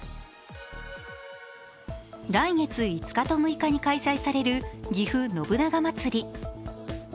来月５日と６日に開催されるぎふ信長まつり。